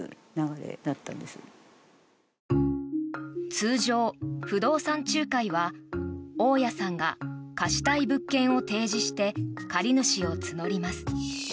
通常、不動産仲介は大家さんが貸したい物件を提示して借主を募ります。